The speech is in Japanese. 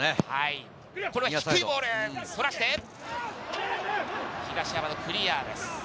高いボール、そらして東山のクリアです。